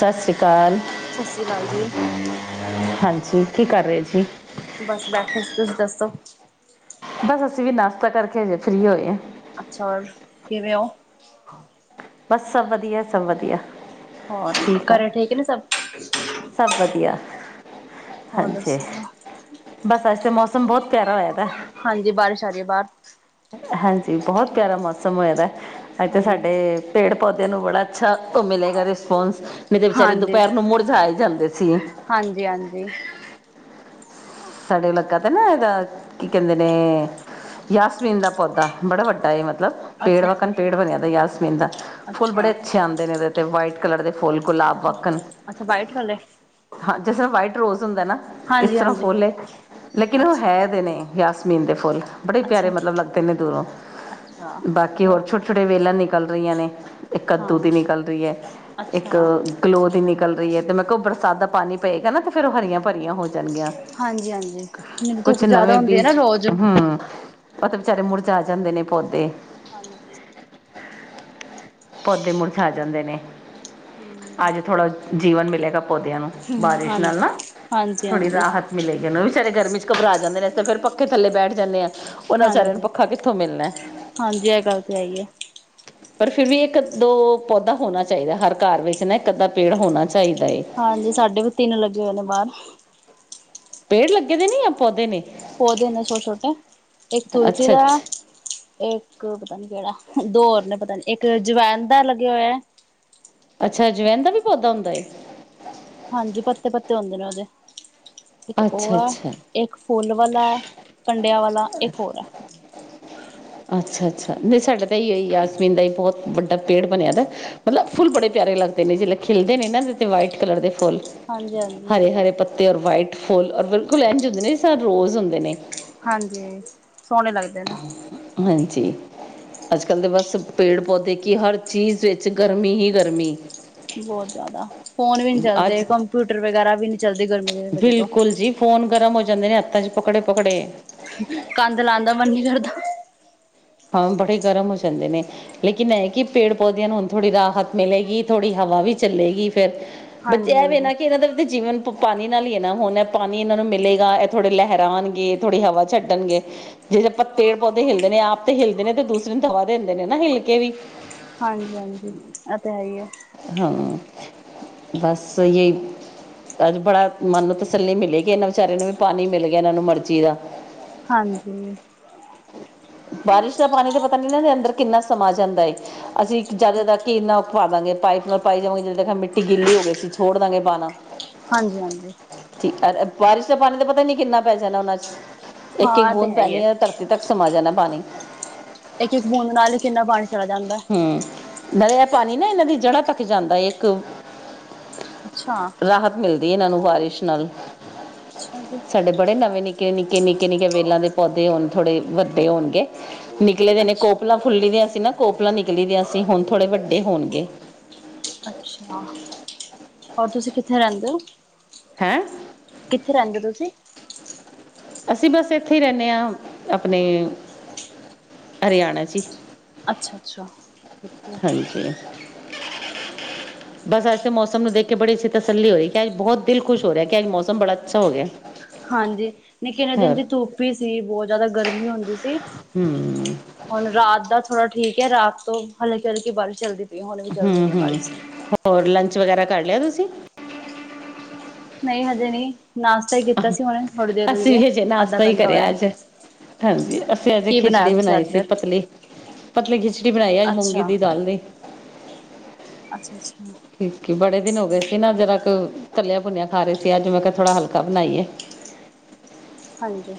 ਸਤਿ ਸ਼੍ਰੀ ਅਕਾਲ ਸਤਿ ਸ੍ਰੀ ਅਕਾਲ ਜੀ ਹਾਂਜੀ ਕੀ ਕਰ ਰਹੇ ਜੀ। ਬਸ ਬੈਠੇ ਸੀ ਤੁਸੀਂ ਦੱਸੋ। ਬਸ ਅਸੀਂ ਵੀ ਨਾਸ਼ਤਾ ਕਰਕੇ ਹਜੇ ਫਰੀ ਹੋਏ ਹਾਂ। ਅੱਛਾ ਕਿਵੇ ਹੋ। ਬਸ ਸਭ ਵਧੀਆ ਸਭ ਵਧੀਆ ਹੋਰ, ਘਰੇ ਠੀਕ ਨੇ ਸਭ। ਸਭ ਵਧੀਆ, ਹੋਰ ਹਾਂਜੀ। ਦੱਸੋ ਬਸ ਅੱਜ ਤੇ ਮੌਸਮ ਬਹੁਤ ਪਿਆਰਾ ਹੋਇਆ ਤ ਹਾਂਜੀ ਬਾਰਿਸ਼ ਆ ਰਹੀ ਹੈ ਬਾਹਰ। ਹਾਂਜੀ ਬਹੁਤ ਪਿਆਰਾ ਮੌਸਮ ਹੋਏਦਾ, ਇੱਥੇ ਹਾਂਜੀ ਸਾਡੇ ਪੇੜ ਪੌਦਿਆਂ ਨੂੰ ਬੜਾ ਅੱਛਾ, ਤੋਂ ਮਿਲੇਗਾ ਰਿਸਪੋਂਸ ਨਹੀਂ ਤੇ ਵਿਚੇਾਰੇ ਹਾਂਜੀ ਦੁਪਹਿਰ ਨੂੰ ਮੁੜ ਜਾਏ ਜਾਂਦੇ ਸੀ। ਹਾਂਜੀ ਹਾਂਜੀ ਸਾਡੇ ਲਗਾਦਾ ਨਾ ਇਹਦਾ ਕੀ ਕਹਿੰਦੇ ਨੇ ਯਾਸਮੀਨ ਦਾ ਪੌਦਾ ਬੜਾ ਵੱਡਾ ਏ ਮਤਲਬ ਪੇੜ ਅੱਛਾ ਵਕਣ ਪੇੜ ਅੱਛਾ ਬਣਿਆ ਯਾਸਮੀਨ ਦਾ ਫੁੱਲ ਬੜੇ ਅੱਛਾ ਅੱਛੇ ਆਉਂਦੇ ਨੇ ਐਦੇ। ਤੇ ਵਾਈਟ ਕਲਰ ਦੇ ਫੁੱਲ ਗੁਲਾਬ ਅੱਛਾ ਵੱਕਣ ਅੱਛਾ ਵਾਈਟ ਵਾਲੇ ਹਾਂ ਜਿਸ ਤਰ੍ਹਾਂ ਵਾਈਟ ਰੋਜ਼ ਹੁੰਦਾ ਨਾ ਇਸ ਹਾਂਜੀ ਤਰ੍ਹਾਂ ਹਾਂਜੀ ਫੁੱਲ ਏ। ਲੇਕਿਨ ਉਹ ਅੱਛਾ ਹੈ ਦੇ ਨੇ ਯਾਸਮੀਨ ਦੇ ਫੁੱਲ ਬੜੇ ਪਿਆਰੇ ਅੱਛਾ ਮਤਲਬ ਲੱਗਦੇ ਨੇ ਦੂਰੋਂ। ਅੱਛਾ ਬਾਕੀ ਹੋਰ ਛੋਟੇ ਛੋਟੇ ਵੇਲਾਂ ਨਿਕਲ ਰਹੀਆਂ ਨੇ ਇੱਕ ਹਾਂ ਕੱਦੂ ਦੀ ਨਿਕਲ ਰਹੀ ਏ, ਇੱਕ ਅੱਛਾ ਗਲੋਅ ਦੀ ਨਿਕਲ ਰਹੀ ਏ, ਤੇ ਮੈਂ ਕਿਹਾ ੳ ਬਰਸਾਤ ਦਾ ਪਾਣੀ ਪਏਗਾ ਨਾ ਤੇ ਫੇਰ ਉਹ ਹਰੀਆਂ ਭਰੀਆਂ ਹੋ ਜਾਣਗੀਆਂ। ਹਾਂਜੀ ਹਾਂਜੀ ਮੈਨੂੰ ਕੁਛ ਧੁੱਪ ਜਿਆਦਾ ਹੁੰਦੀ ਆ ਨਾ ਰੋਜ਼ ੳ ਤੇ ਬੇਚਾਰੇ ਮੁਰਝਾ ਜਾਂਦੇ ਨੇ ਪੌਦੇ। ਹਾਂਜੀ ਪੌਦੇ ਮੁਰਝਾ ਜਾਂਦੇ ਨੇ ਹਮ ਅੱਜ ਥੋੜਾ ਜੀਵਨ ਮਿਲੇਗਾ ਪੌਦਿਆਂ ਨੂੰ ਬਾਰਿਸ਼ ਨਾਲ ਹਾਂਜੀ ਨਾ ਹਾਂਜੀ ਹਾਂਜੀ ਥੋੜ੍ਹੀ ਰਾਹਤ ਮਿਲੇਗੀ ਉਹ ਵੀ ਵਿਚਾਰੇ ਗਰਮੀ 'ਚ ਘਬਰਾ ਜਾਂਦੇ ਨੇ ਅਸੀ ਤੇ ਫਿਰ ਪੱਖੇ ਥੱਲੇ ਬੈਠ ਜਾਂਨੇ ਆਂ। ਉਹਨਾਂ ਬੇਚਾਰਿਆਂ ਨੂੰ ਹਾਂਜੀ ਪੱਖਾ ਕਿੱਥੋਂ ਮਿਲਣਾ ਏ। ਹਾਂਜੀ ਇਹ ਗੱਲ ਤੇ ਹੈਈ ਏ। ਪਰ ਫਿਰ ਵੀ ਇੱਕ ਦੋ ਪੌਦਾ ਹੋਣਾ ਚਾਹੀਦਾ ਹਰ ਘਾਰ ਵਿੱਚ ਨਾ ਇੱਕ ਅੱਧਾ ਪੇੜ ਹੋਣਾ ਚਾਹੀਦਾ ਏ। ਹਾਂਜੀ ਸਾਡੇ ਵੀ ਤਿੰਨ ਲੱਗੇ ਹੋਏ ਨੇ ਬਾਹਰ। ਪੇੜ ਲੱਗੇ ਦੇ ਨੇ ਯਾਂ ਪੌਦੇ ਨੇ। ਪੌਦੇੇ ਨੇ ਛੋਟੇ ਛੋਟੇ ਇੱਕ ਤੁਲਸੀ ਅੱਛਾ ਦਾ ਅੱਛਾ ਇੱਕ ਪਤਾ ਨੀ ਕਿਹੜਾ, ਦੋ ਹੋਰ ਨੇ ਪਤਾ ਨੀ ਇੱਕ ਅਜਵਾਇਨ ਦਾ ਲੱਗਿਆ ਹੋਇਆ। ਅੱਛਾ ਅਜਵੈਨ ਦਾ ਵੀ ਪੌਦਾ ਹੁੰਦਾ ਏ। ਹਾਂਜੀ ਪੱਤੇ ਪੱਤੇ ਹੁੰਦੇ ਨੇ ਉਹਦੇ ਇੱਕ ਉਹ ਅੱਛਾ ਆ। ਅੱਛਾ ਇੱਕ ਫੁੱਲ ਵਾਲਾ ਹੈ ਕੰਡਿਆਂ ਵਾਲਾ ਇੱਕ ਹੋਰ ਹੈ। ਅੱਛਾ ਅੱਛਾ ਨਹੀਂ ਸਾਡੇ ਤਾਂ ਇਹੀ ਯਾਸਮੀਨ ਦਾ ਹੀ ਬਹੁਤ ਵੱਡਾ ਪੇੜ ਬਣਿਆਦਾ ਏ। ਮਤਲਬ ਫੁੱਲ ਬੜੇ ਪਿਆਰੇ ਲੱਗਦੇ ਨੇ ਜਿਲੇ ਖਿੱਲਦੇ ਨੇ ਨਾ ਵਾਈਟ ਕਲਰ ਦੇ ਫੁੱਲ ਹਾਂਜੀ-ਹਾਂਜੀ, ਹਰੇ ਹਰੇ ਪੱਤੇ ਔਰ ਵਾਈਟ ਫੁੱਲ ਔਰ ਬਿਲਕੁਲ ਇੰਝ ਹੁੰਦੇ ਨੇ ਜਿਦਾ ਰੋਜ਼ ਹੁੰਦੇ ਨੇ। ਹਾਂਜੀ ਸੋਹਣੇ ਲੱਗਦੇ ਨੇ। ਹਾਂਜੀ ਅੱਜ ਕੱਲ੍ਹ ਦੇ ਬਸ ਪੇੜ ਪੌਦੇ ਕਿ ਹਰ ਚੀਜ਼ ਵਿੱਚ ਗਰਮੀ ਹੀ ਗਰਮੀ ਬਹੁਤ ਜ਼ਿਆਦਾ ਫੋਨ ਵੀ ਨੀ ਚੱਲਦੇ ਅੱਜ ਕੰਪਿਊਟਰ ਵਗੈਰਾ ਵੀ ਨੀ ਚੱਲਦੇ ਗਰਮੀ ਦੀ ਵਜ੍ਹਾ ਤੋਂ। ਬਿਲਕੁਲ ਜੀ ਫੋਨ ਗਰਮ ਹੋ ਜਾਂਦੇ ਨੇ ਹੱਥਾਂ ਚ ਪਕੜੇ- ਪਕੜੇ ਕੰਧ ਲਾਨ ਦਾ ਮਨ ਨੀ ਕਰਦਾ। ਅਮ ਬੜੇ ਗਰਮ ਹੋ ਜਾਂਦੇ ਨੇ ਲੇਕਿਨ ਇਹ ਕਿ ਪੇੜ ਪੌਦਿਆਂ ਨੂੰ ਹੁਣ ਥੋੜ੍ਹੀ ਰਾਹਤ ਮਿਲੇਗੀ ਥੋੜ੍ਹੀ ਹਵਾ ਵੀ ਚੱਲੇਗੀ ਫਿਰ ਬੱਚੇ ਇਹਵੇ ਹਾਂਜੀ-ਹਾਂਜੀ, ਨਾ ਕਿ ਇਹਨਾਂ ਦਾ ਜੀਵਨ ਪ ਪਾਣੀ ਨਾਲ ਹੀ ਹੈ ਨਾ ਹੁਣ ਪਾਣੀ ਇਹਨਾਂ ਨੂੰ ਮਿਲੇਗਾ ਇਹ ਥੋੜੇ ਲਹਿਰਾਣਗੇ ਥੋੜ੍ਹੀ ਹਵਾ ਛੱਡਣਗੇ। ਜਿਸ ਤਰਾਂ ਪੱਤੇ ਪੌਦੇ ਹਿਲਲਦੇ ਨੇ ਆਪ ਤੇ ਹਿਲਦੇ ਨੇ ਤੇ ਦੂਸਰੇ ਨੂੰ ਦਵਾ ਦਿੰਦੇ ਨੇ ਨਾ ਹਿਲ ਕੇ ਵੀ ਹਾਂਜੀ-ਹਾਂਜੀ ਇਹ ਤੇ ਹੈ ਹੀ ਹੈ। ਹਾਂ ਬਸ ਯਹੀ ਅੱਜ ਬੜਾ ਮਨ ਨੂੰ ਤਸੱਲੀ ਮਿਲੀ ਕਿ ਇਹਨਾਂ ਵਿਚਾਰਿਆਂ ਨੂੰ ਵੀ ਪਾਣੀ ਮਿਲ ਗਿਆ ਇਹਨਾਂ ਨੂੰ ਮਰਜ਼ੀ ਦਾ ਹਾਂਜੀ ਬਾਰਿਸ਼ ਦਾ ਪਾਣੀ ਤਾਂ ਪਤਾ ਨੀ ਇਨਾ ਦੇ ਅੰਦਰ ਕਿੰਨਾ ਸਮਾਂ ਜਾਂਦਾ ਏ। ਅਸੀਂ ਜਿਆਦਾ ਕੁ ਜਿਆਦਾ ਕਿਨਾ ਪਾ ਦਾਂਗੇ ਪਾਈਪ ਨਾਲ ਪਾਈ ਜਾਵਾਂਗੇ ਜਦ ਦੇਖਾਗੇ ਮਿੱਟੀ ਗਿੱਲੀ ਹੋ ਗਈ ਸੀ ਛੋੜ ਦਾਂਗੇ ਪਾਉਣਾ। ਹਾਂਜੀ -ਹਾਂਜੀ ਠੀਕ ਬਾਰਿਸ਼ ਦਾ ਪਾਣੀ ਦਾ ਪਤਾ ਹੀ ਨ ਕਿੰਨਾ ਪੈ ਜਾਣਾ ਉਹਨਾਂ 'ਚ ਇੱਕ ਇੱਕ ਹਾਂ ਇਹ ਤੇ ਬੂੰਦ ਹੀ ਪੈਣੀ ਹੈ ਧਰਤ ਤੱਕ ਸਮਾ ਜਾਣਾ ਪਾਣੀ ਇੱਕ -ਇੱਕ ਬੂੰਦ ਨਾਲ ਹੀ ਕਿੰਨਾ ਪਾਣੀ ਚਲਾ ਜਾਂਦਾ। ਹੈ। ਹਾਂ ਨ ਦਾ ਪਾਣੀ ਨਾ ਇਹਨਾਂ ਦੀ ਜੜ੍ਹਾਂ ਤੱਕ ਜਾਂਦਾ ਹੈ ਇੱਕ ਅੱਛਾ ਰਾਹਤ ਮਿਲਦੀ ਇਹਨਾਂ ਨੂੰ ਬਾਰਿਸ਼ ਨਾਲ ਅੱਛਾ ਜੀ, ਸਾਡੇ ਬੜੇ ਨਵੇਂ ਨਿ ਨਿੱਕੇ- ਨਿੱਕੇ- ਨਿੱਕੇ- ਨਿੱਕੇ ਵੇਲਾਂ ਦੇ ਪੌਦੇ ਹੋਣ ਥੋੜ੍ਹੇ ਵੱਡੇ ਹੋਣਗੇ ਨਿਕਲੇ ਦੇ ਨੇ ਅੱਛਾ, ਕੋਪਲਾਂ ਫੁੱਲੀ ਦੀਆਂ ਸੀ ਨਾ ਕੋਪਲਾਂ ਨਿਕਲੀ ਦੀਆਂ ਸੀ ਹੁਣ ਥੋੜੇ ਵੱਡੇ ਹੋਣਗੇ। ਅੱਛਾ ਹੋਰ ਤੁਸੀਂ ਕਿੱਥੇ ਰਹਿੰਦੇ ਹੋ। ਹੈਂ ਕਿੱਥੇ ਰਹਿੰਦੇ ਹੋ ਤੁਸੀਂ ਅਸੀਂ ਬਸ ਇੱਥੇ ਹੀ ਰਹਿੰਣੇ ਹਾਂ ਆਪਣੇ ਹਰਿਆਣਾ ਚੀ ਅੱਛਾ -ਅੱਛਾ ਠੀਕ ਹੈ। ਹਾਂਜੀ ਬਸ ਅੱਜ ਮੌਸਮ ਨੂੰ ਦੇਖ ਬੜੀ ਅੱਛੀ ਤਸੱਲੀ ਹੋ ਰਹੀ ਕਿ ਅਜ ਬਹੁਤ ਦਿਲ ਖੁਸ਼ ਹੋ ਰਿਹਾ ਕਿ ਅਜ ਮੌਸਮ ਬੜਾ ਅੱਛਾ ਹੋ ਗਿਆ। ਹਾਂਜੀ ਨਹੀਂ ਕਿਨੇ ਦਿਨ ਹੋਰ ਦੀ ਧੁਪ ਈ ਸੀ ਬਹੁਤ ਜ਼ਿਆਦਾ ਗਰਮੀ ਹੁੰਦੀ ਸੀ। ਹੂੰ ਹੁਣ ਰਾਤ ਦਾ ਥੋੜਾ ਠੀਕ ਹੈ ਰਾਤ ਤੋਂ ਹਲਕੀ ਹਲਕੀ ਬਾਰਿਸ਼ ਚਲਦੀ ਹੂੰ-ਹੂੰ ਹੋਰ ਲੰਚ ਵਗੈਰਾ ਕਰ ਲਿਆ ਤੁਸੀਂ ਨਹੀਂ ਹਜੇ ਨਹੀਂ ਨਾਸ਼ਤਾ ਹੀ ਕੀਤਾ ਸੀ ਹੁਨੇ ਥੋੜ੍ਹੀ ਦੇਰ ਹੋਈ ਅਸੀਂ ਹੈ ਵੀ ਅਜੇ ਅੱਧਾ ਨਾਸ਼ਤਾ ਹੀ ਘੰਟਾ ਕਰਿਆ ਹੋਇਆ। ਅੱਜ ਹਾਂਜੀ ਅਸੀਂ ਅੱਜ ਕੀ ਬਣਾਇਆ ਖਿਚੜੀ ਤੁਸੀਂ ਬਣਾਈ ਅੱਜ ਸੀ ਫਿਰ? ਪਤਲੀ ਪਤਲੀ ਖਿਚੜੀ ਬਣਾਈ ਆ ਮੂੰਗੀ ਅੱਛਾ ਦੀ ਦਾਲ ਦੀ ਅੱਛਾ ਅੱਛਾ ਠੀਕ ਕੀ ਬੜੇ ਦਿਨ ਹੋ ਗਏ ਸੀ ਨਾ ਜਿਰਾ ਕੇ ਤੱਲਿਆ ਭੁੰਨਿਆ ਖਾ ਰਹੇ ਸੀ ਅੱਜ ਮੈਂ ਕਿਹਾ ਥੋੜ੍ਹਾ ਹਲਕਾ ਬਣਾਈਏ। [inaudible] ਹਾਂਜੀ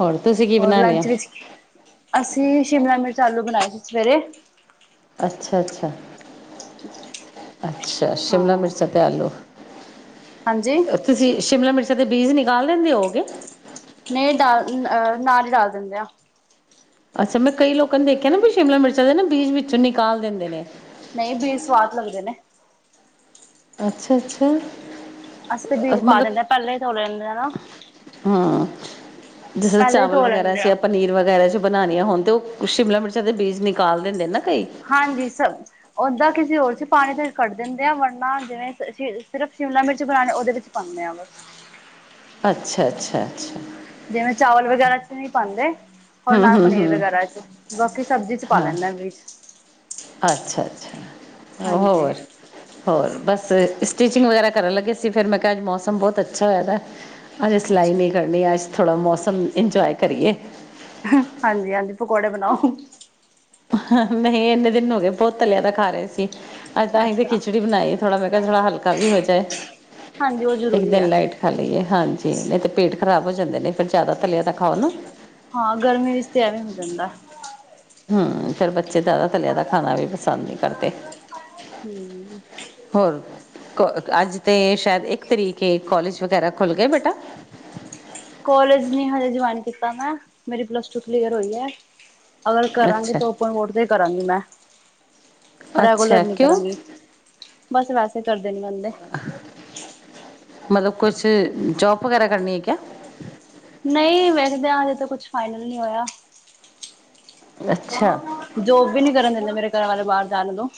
ਹੋਰ ਤੁਸੀਂ ਕੀ ਹੋਰ ਬਣਾ ਲਿਆ ਲੰਚ ਵਿੱਚ ਕੀ ਅਸੀਂ ਸ਼ਿਮਲਾ ਮਿਰਚ ਆਲੂ ਬਣਾਏ ਸੀ ਸਵੇਰੇ ਅੱਛਾ -ਅੱਛਾ ਅੱਛਾ ਸ਼ਿਮਲਾ ਹਾਂ ਮਿਰਚ ਅਤੇ ਆਲੂ ਹਾਂਜੀ [inaudible] ਤੁਸੀਂ ਸ਼ਿਮਲਾ ਮਿਰਚਾਂ ਦੇ ਬੀਜ ਨਿਕਾਲ ਦਿੰਦੇ ਹੋਗੇ। ਨਹੀਂ ਡ ਅ ਨਾਲ ਹੀ ਡਾਲ ਦਿੰਦੇ ਆ ਅੱਛਾ ਮੈਂ ਕਈ ਲੋਕਾਂ ਨੇ ਦੇਖਿਆ ਨਾ ਵੀ ਸ਼ਿਮਲਾ ਮਿਰਚਾਂ ਦੇ ਨਾ ਬੀਜ ਵਿੱਚੋਂ ਨਿਕਾਲ ਦਿੰਦੇ ਨੇ ਨਹੀਂ ਬੀ ਸਵਾਦ ਲੱਗਦੇ ਨੇ ਅੱਛਾ ਅੱਛਾ ਅਸੀਂ ਤੇ ਬੀਜ ਪਾ ਦਦੇ ਹਾਂ ਪਹਿਲਾਂ ਹੀ ਤੋਲੇ ਲੈਂਦੇਾ ਹਮ ਜਿਸ ਤਰ ਪਹਿਲੇ ਹੀ ਚਾਵਲ ਧੋ ਵਗੈਰਾ ਲੈਂਦੇ ਚ ਆ ਜਾਂ ਪਨੀਰ ਵਗੈਰਾ ਚ ਬਣਾਉਣੀਆਂ ਹੋਣ ਤਾਂ ਉਹ ਸ਼ਿਮਲਾ ਮਿਰਚਾਂ ਦੇ ਬੀਜ ਨਿਕਾਲ ਦਿੰਦੇ ਨਾ ਕਈ ਹਾਂਜੀ ਸਭ ਓਦਾਂ ਕਿਸੇ ਹੋਰ ਸੀ ਪਾਣੀ ਤੇ ਕੱਢ ਦਿੰਦੇ ਆ ਵਰਨਾ ਜਿਵੇਂ ਸਿਰਫ ਸ਼ਿਮਲਾ ਮਿਰਚ ਬਣਾਉਣੇ ਉਹਦੇ ਵਿੱਚ ਪਾਨੇ ਆ ਬੱਸ ਅੱਛਾ ਅੱਛਾ ਅੱਛਾ ਜਿਵੇਂ ਚਾਵਲ ਵਗੈਰਾ ਚ ਨਹੀਂ ਪਾਉਂਦੇ ਹੋਰ ਹੂੰ ਨਾਲ ਹੂੰ ਪਨੀਰ ਹੂੰ ਵਗੈਰਾ ਚ ਬਾਕੀ ਸਬਜ਼ੀ ਚ ਪਾ ਹਾਂ ਲੈਂਦੇ ਵੀ ਅੱਛਾ ਅੱਛਾ ਹਾਂਜੀ ਹੋਰ ਹੋਰ ਬਸ ਸਟਿਚਿੰਗ ਵਗੈਰਾ ਕਰਨ ਲੱਗੇ ਸੀ ਫਿਰ ਮੈਂ ਕਿਹਾ ਅੱਜ ਮੌਸਮ ਬਹੁਤ ਅੱਛਾ ਹੋਇਆ ਅਜੇ ਸਿਲਾਈ ਅੱਛਾ ਨਹੀਂ ਕਰ ਕਰਨੀ ਅੱਜ ਥੋਂੜ੍ਹਾ ਮੌਸਮ ਇੰਜੋਏ ਕਰੀਏ ਹਾਂਜੀ ਹਾਂਜੀ ਪਕੌੜੇ ਬਣਾਓ ਨਹੀਂ ਇੰਨੇ ਦਿਨ ਹੋ ਗਏ ਬਹੁਤ ਤਲਿਆ ਤਾਂ ਖਾ ਰਹੇ ਸੀ ਅੱਜ ਤਾਂ ਅਸੀਂ ਤੇ ਅੱਛਾ ਖਿਚੜੀ ਬਣਾਈ ਥੋੜਾ ਮੈਂ ਕਿਹਾ ਥੋੜਾ ਹਲਕਾ ਵੀ ਹੋ ਜਾਏ ਹਾਂਜੀ ਉਹ ਇੱਕ ਜ਼ਰੂਰੀ ਆ ਦਿਨ ਲਾਈਟ ਖ ਲਈਏ ਹਾਂਜੀ ਨਹੀਂ ਤਾਂ ਪੇਟ ਖ਼ਰਾਬ ਹੋ ਜਾਂਦੇ ਨੇ ਫਿਰ ਜ਼ਿਆਦਾ ਲਿਆ ਤਾਂ ਖਾਓ ਨਾ ਹਾਂ ਗਰਮੀ ਵਿੱਚ ਤੇ ਐਵੇਂ ਹੋ ਜਾਂਦਾ ਹਮ ਫੇਿਰ ਬੱਚੇ ਜ਼ਿਆਦਾ ਥੱਲਿਆਂ ਦਾ ਖਾਣਾ ਵੀ ਪਸੰਦ ਨਹੀਂੀ ਕਰਦੇ ਹਮ ਹੋਰ ਕੋ ਅੱਜ ਤਾਂ ਸ਼ਾਇਦ ਇੱਕ ਤਰੀਕੇ ਕੋਲਜ ਵਗੈਰਾ ਖੁੱਲ੍ਹ ਗਏ ਬੇਟਾ ਕੋਲਜ ਨੇ ਹਜੇ ਜੁਆਇਨ ਕੀਤਾ ਮੈਂ ਮੇਰੀ ਪਲੱਸ ਟੂ ਕਲੀਅਰ ਹੋਈ ਹੈ ਅਗਰ ਕਰਾਂਗੇ ਤਾਂ ਓਪਨ ਵੋਟ ਤੇ ਕਰਾਂਗੀ ਮੈਂ ਰੈਗੂਲਰ ਨੀ ਕਰਾਂਗੀ ਬਸ ਵੈਸੇ ਕਰਦੇ ਨੀ ਬੰਦੇ ਮਤਲਬ ਕੁਛ ਜੋਬ ਵਗੈਰਾ ਕਰਨੀ ਹੈ ਕਿਆ ਨਹੀਂ ਵੇਖਦੇ ਹਜੇ ਤ ਕੁਛ ਫਾਈਨਲ ਨਹੀਂ ਹੋਇਆ ਜੋਬ ਵੀ ਨੀ ਕਰਨ ਦਿੰਦੇ ਮੇਰੇ ਘਰ ਵਾਲੇ ਬਾਹਰ ਜਾਣ ਤੋਂ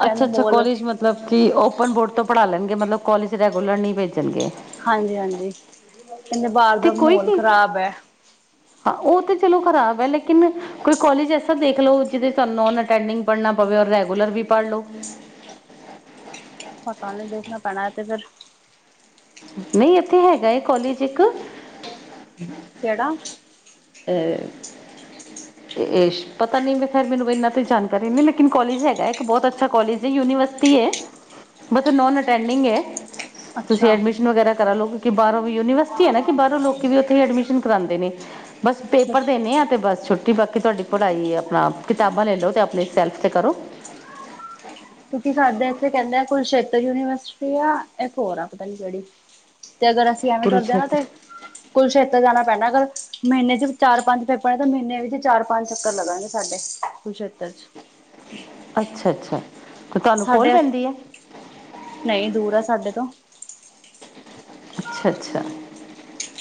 ਕਹਿੰਦੇ ਅੱਛਾ ਅੱਛਾ ਮੋਲ ਕਾਲਜ ਮਤਲਬ ਕਿ ਓਪਨ ਬੋਰ ਤੋਂ ਪੜ੍ਹਾ ਲੈਣਗੇ ਮਤਲਬ ਕਾਲਜ ਰੈਗੂਲਰ ਨਹੀਂ ਭੇਜਣਗੇ ਹਾਂਜੀ ਹਾਂਜੀ ਕਹਿੰਦੇ ਬਾਹਰ ਤੇ ਦਾ ਕੋਈ ਮਾਹੋੌਲ ਕੀ, ਖ਼ਰਾਬ ਹੈ ਹਾਂ ਉਹ ਤੇ ਚਲੋ ਖ਼ਰਾਬ ਹੈ ਲੇਕਿਨ ਕੋਈ ਕਾਲਜ ਐਸਾ ਦੇਖ ਲੋ ਜਿਹਦੇਨ ਅਟਡਿੰਗ ਪੜ੍ਹਨਾ ਪਵੇ ਔਰ ਰੈਗੂਲਰ ਵੀ ਪੜ੍ਹ ਲੋ ਪਤਾ ਨਹੀਂ ਦੇਖਣਾ ਪੈਣਾ ਹੈ ਤਾਂ ਫਿਰ ਨਹੀਂ ਇੱਥੇ ਹੈਗਾ ਕੋਲਜ ਇੱਕ ਕਿਹੜਾ ਅਤੇ ਅਤੇ ਪਤਾ ਨਹੀਂ ਵੀੈਂ ਫਿਰ ਮੈਨੂੰ ਕੋ ਇਨਾਂ ਤਾਂ ਜਾਣਕਾਰੀ ਨਹੀਂ ਲੇਕਿਨ ਕੋਲਜ ਹੈਗਾ ਇੱਕ ਬਹੁਤ ਅੱਛਾ ਕੋਲਜ ਹੈ ਯੂਨੀਵਰਸਿਟੀ ਯੁਨੀਵਰਸਿਟੀ ਹੈ ਅਟਡਿੰਗ ਤੁਸੀਂ ਅੱਛਾ ਐਡਮਿਸ਼ਨ ਵਗੈਰਾ ਕਰਾ ਲੋ ਕਿ ਬਾਹਰੋਂ ਵੀ ਯੂਨੀਵਰਸਿਟੀ ਐ ਨਾ ਕਿ ਬਾਹਰੋਂ ਲੋਕ ਵੀ ਉੱਥੇ ਐਡਮਿਸ਼ਨ ਕਰਾਂਦੇ ਨੇ। ਬਸ ਅੱਛਾ ਪੇਪਰ ਅੱਛਾ ਦੇਨੇ ਆ ਤੇ ਬਸ ਛੁਟ ਤੇ ਬਾਕੀ ਤੁਹਾਡੀ ਪੜ੍ਹਾਈ ਆਪਨਾ ਕਿਤਾਬਾਂ ਲੈ ਲਓ ਤੇ ਆਪਨੀ ਸੈਲਫ ਤੇ ਕਰੋ। ਕਿਉਂਕਿ ਸਾਡੇ ਇੱਥੇ ਕਹਿੰਦੇ ਆ ਕੁਸ਼ੇਤਰ ਯੂਨੀਵਰਸਿਟੀ ਆ ਇੱਕ ਹੋਰ ਆ ਪਤਾ ਨ ਕਿਹੜੀ ਤੇ ਅਗਰ ਅਸੀਂ ਐਵੇਂ ਕਰਦੇ ਹਾਂ ਨਾ ਤੇ ਹਾਂ ਕੁੱਲ ਛੇਤਰ ਜਾਣਾ ਪੈਣਾ ਅਗਰ ਮਹੀਨੇ ਚ ਚਾਰ ਪੰਜ ਪੇਪਰ ਨੇ ਤਾਂ ਮਹੀਨੇ ਵਿੱਚ ਚਾਰ ਪੰਜ ਚੱਕਰ ਲਗਣਗੇ ਸਾਡੇ ਕੁਰਸ਼ੇਤਰ ਅੱਛਾ ਅੱਛਾ ਤੇ ਤੁਹਾਨੂੰ ਕੋਲ ਸਾਡੇ ਪੈਂਦੀ ਹੈ ਨਹੀਂ ਦੂਰ ਆ ਸਾਡੇ ਤੋਂ ਅੱਛਾ ਅੱਛਾ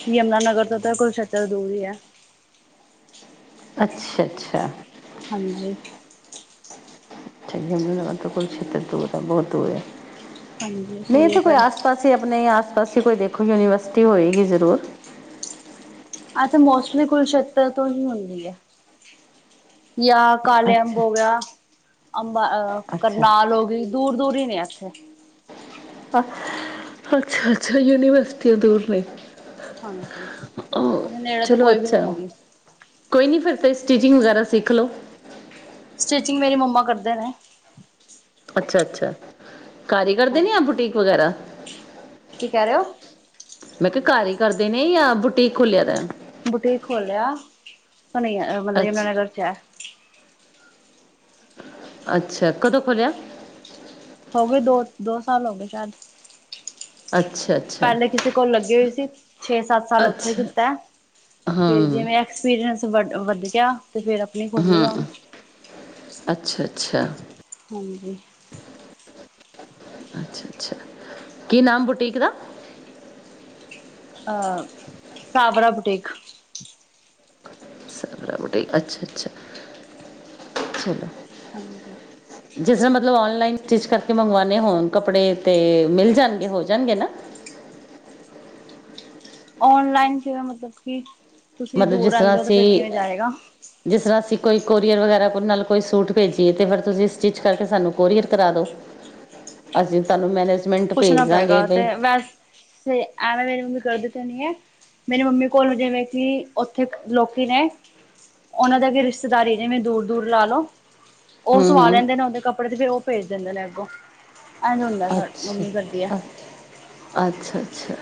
ਯਮੁਨਾ ਨਗਰ ਤੋਂ ਤਾਂ ਕੁਲਛਤਰ ਦੂਰ ਹੀ ਹੈ ਅੱਛਾ-ਅੱਛਾ। ਹਾਂਜੀ। [unintelligible] ਹਾਂਜੀ ਇਸ ਨਹੀਂ ਲਈ ਏਥੇ ਕੋਈ ਫਿਰ ਆਸ ਪਾਸੇ ਆਪਨੇ ਆਸ ਪਾਸ ਹੀ ਕੋਈ ਦੇਖੋ, ਯੂਨੀਵਰਸਿਟੀ ਹੋਏਗੀ ਜ਼ਰੂਰ। ਆ ਤੇ ਮੌਸਲੀ ਕੁਲਸ਼ੇਤਰ ਤੋਂ ਹੀ ਹੁੰਦੀ ਐ। ਯਾ ਕਾਲੇ ਅੰਬ ਅੱਛਾ, ਹੋ ਗਿਆ, ਅੰਬਾ ਅਹ ਅੱਛਾ। ਕਰਨਾਲ ਹੋ ਗਈ। ਦੂਰ-ਦੂਰ ਈ ਨੇ ਏਥੇ। ਅ ਅੱਛਾ-ਅੱਛਾ ਯੂਨੀਵਰਸਿਟੀਆਂ ਦੂਰ ਨੇ। ਹਾਂਜੀ, ਅ ਨੇੜੇ ਤੇ ਚਲੋ ਕੋਈ ਵੀ ਨੀ ਅੱਛਾ। ਹੈਗੀ। ਕੋਈ ਨੀ ਫਿਰ ਤੇ ਸਟਿਚਿੰਗ ਵਗੈਰਾ ਸਿੱਖ ਲੋ। ਸਟਿਚਿੰਗ ਮੇਰੀ ਮੰਮਾ ਕਰਦੇ ਨੇ। ਅੱਛਾ-ਅੱਛਾ, ਘਰ ਈ ਕਰਦੇ ਹਾਂ ਨੇ ਯਾ ਬੁਟੀਕ ਵਗੈਰਾ? ਕੀ ਕਹਿ ਰਹੇ ਓ? ਮੈਂ ਕਿਹਾ ਘਰ ਹੀ ਕਰਦੇ ਨੇ ਯਾ ਬੁਟੀਕ ਖੋਲਿਆ ਦਾ ਐ? ਬੁਟੀਕ ਖੋਲਿਆ, ਹੁਨੇ ਈ ਮਤਲਬ ਅੱਛਾ, ਯਮੁਨਾਨਗਰ ਚ ਹੈ। ਅੱਛਾ, ਕਦੋਂ ਖੋਲ੍ਹਿਆ? ਹੋ ਗਏ ਦੋ, ਦੋ ਸਾਲ ਹੋ ਗਏ ਸ਼ਾਇਦ। ਅੱਛਾ-ਅੱਛਾ, ਪਹਿਲੇ ਕਿਸੇ ਕੋਲ ਲੱਗੇ ਸੀ, ਛੇ ਸੱਤ ਸਾਲ ਉੱਥੇ ਅੱਛਾ ਕੀਤਾ ਫਿਰ ਹੂੰ, ਜਿਵੇਂ ਬਿਸਨਸ ਵੜ ਵਧ ਗਿਆ ਤੇ ਫਿਰ ਆਪਣੀ ਖੋਲੀ ਹਾਂ, ਆ ਹੁਣ ਅੱਛਾ-ਅੱਛਾ। ਹਾਂਜੀ। ਅੱਛਾ-ਅੱਛਾ, ਕੀ ਨਾਮ ਬੁਟੀਕ ਦਾ? ਅਹ ਕਾਬਰਾ ਬੁਟੀਕ। ਸਾਵਰਾ ਬੁਟੀਕ, ਅੱਛਾ-ਅੱਛਾ, ਚੱਲੋ ਹਾਂਜੀ। ਜਿਸ ਤਰ੍ਹਾਂ ਮਤਲਬ ਔਨਲਾਈਨ ਸਟਿੱਚ ਕਰਕੇ ਮੰਗਵਾਨੇ ਹੋਨ ਕੱਪੜੇ 'ਤੇ ਮਿਲ ਜਾਨਗੇ ਹੋ ਜਾਨਗੇ ਨਾ? ਓਨਲਾਈਨ ਜਿਵੇਂ ਮਤਲਬ ਕਿ ਤੁਸੀਂ ਮਤਲਬ ਦੂਰ ਜਿਸ ਤਰ੍ਹਾਂ ਰਹਿੰਦੇ ਹੋ ਅਸੀਂ ਫਿਰ ਕਿਵੇਂ ਜਾਏਗਾ? ਜਿਸ ਤਰ੍ਹਾਂ ਅਸੀਂ ਕੋਈ ਕੋਰੀਅਰ ਵਗੈਰਾ ਨਾਲ ਕੋਈ ਸੂਟ ਭੇਜੀਏ ਤੇ ਫਿਰ ਤੁਸੀਂ ਸਟਿੱਚ ਕਰਕੇ ਸਾਨੂੰ ਕੋਰੀਅਰ ਕਰਾ ਦੋ। ਅਸੀਂ ਤੁਹਾਨੂੰ ਮੈਨੇਜਮੈਂਟ ਪੁੱਛਣਾ ਭੇਜ ਦਾਂਗੇ ਪਏਗਾ ਬਈ। ਤੇ ਵੈਸੇ ਐਵੇਂ ਮੇਰੀ ਮੰਮੀ ਕਰਦੀ ਤੇ ਨਹੀਂ ਐ। ਮੇਰੀ ਮੰਮੀ ਕੋਲ ਜਿਵੇਂ ਕਿ ਓਥੇ ਲੋਕੀ ਨੇ। ਓਨਾਂ ਦੇ ਅਗੇ ਰਿਸ਼ਤੇਦਾਰੀ ਜਿਵੇਂ ਦੂਰ-ਦੂਰ ਲਾ ਲੋ। ਉਹ ਹੂੰ ਸਵਾ ਹੂੰ ਲੈਂਦੇ ਨੇ ਉਹਦੇ ਕੱਪੜੇ ਤੇ ਵੀ ਉਹ ਭੇਜ ਦਿੰਦੇ ਨੇ ਅੱਗੋਂ, ਇਂਝ ਹੁੰਦਾ ਸਾਡੇ ਅੱਛਾ, ਅੱਛਾ-ਅੱਛਾ।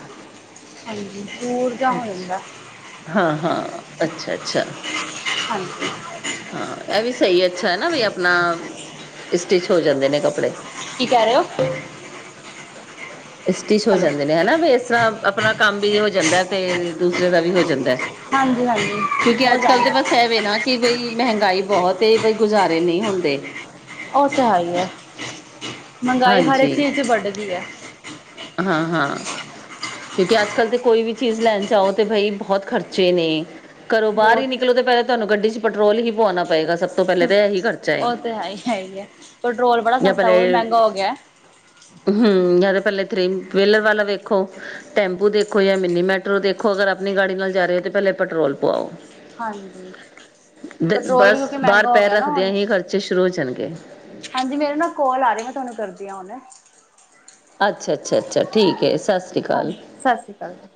ਹਾਂਜੀ, ਦੂਰ ਜਾ ਹੋ ਅੱਛ, ਜਾਂਦਾ ਹਾਂ-ਹਾਂ, ਅੱਛਾ-ਅੱਛਾ। ਹਾਂਜੀ। ਹਾਂ। ਇਹ ਵੀ ਸਹੀ, ਅੱਛਾ ਹੈ। ਨਾ ਵੀ ਆਪਣਾ ਸਟਿਚ ਹੋ ਜਾਂਦੇ ਨੇ ਕੱਪੜੇ। ਕੀ ਕਹਿ ਰਹੇ ਹੋ। ਸਟਿਚ ਹੋ ਹੈਲੋ ਜਾਂਦੇ ਨੇ ਹੈਨਾ, ਵੀ ਇਸ ਤਰ੍ਹਾਂ ਆਪਣਾ ਕੰਮ ਵੀ ਹੋ ਜਾਂਦਾ। ਅਤੇ ਦੂਸਰੇ ਦਾ ਵੀ ਹੋ ਜਾਂਦਾ। ਹਾਂਜੀ- ਹਾਂਜੀ ਕਿਉਂਕਿ ਹੋ ਅੱਜ ਕੱਲ੍ਹ ਜਾਂਦਾ। [unintelligible] ਨਾ ਕਿ ਬਈ ਮਹਿੰਗਾਈ ਬਹੋਤ ਏ ਬਈ ਗੁਜ਼ਾਰੇ ਨੀ ਹੁੰਦੇ। ਓਹ ਤੇ ਹੈ ਈ ਐ, ਮਹਿੰਗਾਈ ਹਰ ਹਾਂਜੀ ਇੱਕ ਚੀਜ਼ ਚ ਵੱਢ ਗੀ ਐ। ਹਾਂ-ਹਾਂ। ਕਿਉਂਕਿ ਅੱਜ ਕੱਲ੍ਹ ਤਾਂ ਕੋਈ ਵੀ ਚੀਜ਼ ਲੈਨ ਜਾਓ ਤੇ ਭਈ ਬੋਤ ਖਰਚੇ ਨੇ। ਘਰੋਂ ਬਾਰ ਹੀ ਬਹੁਤ ਨਿਕਲੋ ਤੇ ਪਹਿਲੇ ਤੁਹਾਨੂੰ ਗੱਡੀ ਚ ਪੈਟਰੋਲ ਹੀ ਪੁਆਨਾ ਪਏਗਾ ਸਭ ਤੋਂ ਪਹਿਲੇ ਤਾਂ ਏ ਹੀ ਖਰਚਾ ਏ, ਉਹ ਤੇ ਹੈ ਹੀ ਹੈ ਹੀ ਹੈ ਪੈਟਰੋਲ ਬੜਾ ਯਾ ਸਸਤਾ ਉਹ ਵੀ ਪਹਿਲੇ ਮਹਿੰਗਾ ਹੋ ਗਿਆ ਹੂੰ, ਯਾ ਤੇ ਪਹਿਲੇ ਥ੍ਰੀ ਵੇਹਲਰ ਵਾਲਾ ਵੇਖੋ। ਟੈਂਪੂ ਦੇਖੋ ਯਾ ਮਿੰਨੀ ਮੈਟਰੋ ਦੇਖੋ, ਅਗਰ ਆਪਨੀ ਗਾੜੀ ਨਾਲ ਜਾ ਰਹੇ ਹੋ ਤੇ ਪਹਿਲੇ ਪੈਟਰੋਲ ਪੁਆਓ। ਹਾਂਜੀ [unintelligible] ਪੈਟਰੋਲ ਵੀ ਬਸ ਕਿਉਂਕਿ ਬਾਰ ਮਹਿੰਗਾ ਹੋ ਪੈਰ ਗਿਆ ਨਾ ਰੱਖਦੇਆਂ ਹੁਣ ਹੀ ਖ਼ਰਚੇ ਸ਼ੁਰੂ ਹੋ ਜਾਨਗੇ। ਹਾਂਜੀ ਮੇਰੀ ਨਾ ਕੋਲ ਆ ਰੀ ਮੈਂ ਤੁਹਾਨੂੰ ਕਰਦੀ ਆਂ ਹੁਨੇ। ਅੱਛਾ, ਅੱਛਾ, ਅੱਛਾ ਠੀ ਏ, ਸਸ ਹਾਂਜੀ। ਸਤਿ ਸ਼੍ਰੀ ਅਕਾਲ ਜੀ?